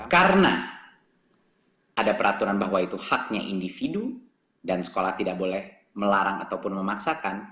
karena ada peraturan bahwa itu haknya individu dan sekolah tidak boleh melarang ataupun memaksakan